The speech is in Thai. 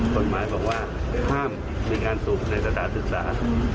กฎหมายบอกว่าห้ามมีการสุขในศรัทธิ์ศึกษา